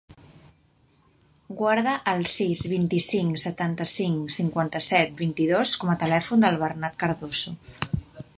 Guarda el sis, vint-i-cinc, setanta-cinc, cinquanta-set, vint-i-dos com a telèfon del Bernat Cardoso.